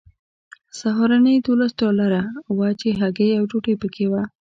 سهارنۍ دولس ډالره وه چې هګۍ او ډوډۍ پکې وه